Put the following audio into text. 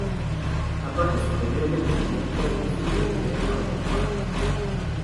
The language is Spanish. La parte superior del monumento es un bebedero para los pájaros.